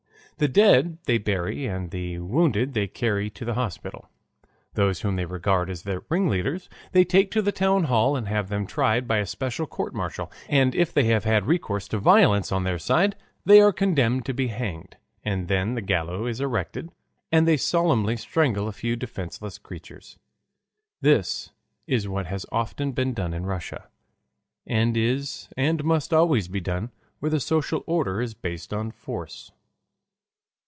The dead they bury and the wounded they carry to the hospital. Those whom they regard as the ringleaders they take to the town hall and have them tried by a special court martial. And if they have had recourse to violence on their side, they are condemned to be hanged. And then the gallows is erected. And they solemnly strangle a few defenseless creatures. This is what has often been done in Russia, and is and must always be done where the social order is based on force.